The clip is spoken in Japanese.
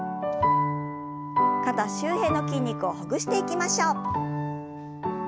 肩周辺の筋肉をほぐしていきましょう。